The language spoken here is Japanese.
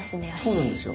そうなんですよ。